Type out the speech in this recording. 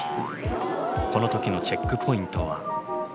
この時のチェックポイントは？